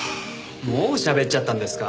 もうしゃべっちゃったんですか？